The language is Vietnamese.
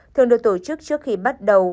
thường được tổ chức trước khi bắt đầu